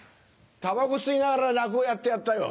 タバコ吸いながら落語やってやったよ。